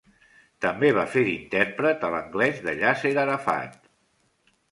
També va fer d'intèrpret a l'anglès de Yasser Arafat.